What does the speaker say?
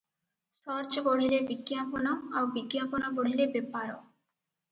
Search ବଢ଼ିଲେ ବିଜ୍ଞାପନ ଆଉ ବିଜ୍ଞାପନ ବଢ଼ିଲେ ବେପାର ।